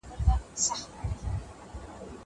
هغه څوک چي ليکنه کوي ښه زده کوي!